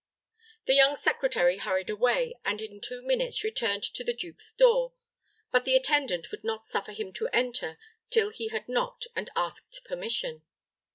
The young secretary hurried away, and in two minutes returned to the duke's door; but the attendant would not suffer him to enter till he had knocked and asked permission.